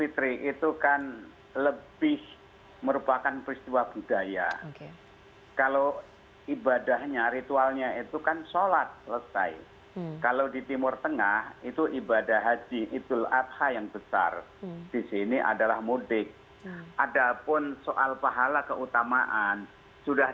tempat kita kan sudah